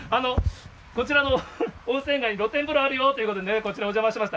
こちらの温泉街に露天風呂があるよということで、こちら、お邪魔しました。